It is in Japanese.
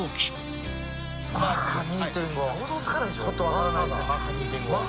ちょっと分からないっすね